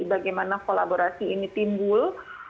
bagaimana kolaborasi ini timbul